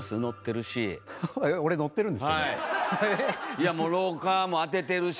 いや「廊下」も当ててるし